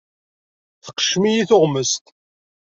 Tqeccem-iyi tuɣmest.